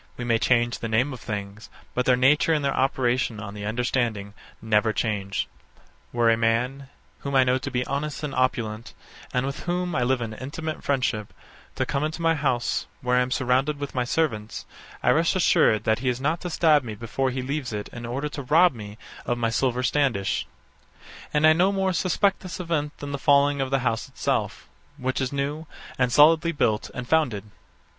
We may change the name of things; but their nature and their operation on the understanding never change. Were a man, whom I know to be honest and opulent, and with whom I live in intimate friendship, to come into my house, where I am surrounded with my servants, I rest assured that he is not to stab me before he leaves it in order to rob me of my silver standish; and I no more suspect this event than the falling of the house itself, which is new, and solidly built and founded.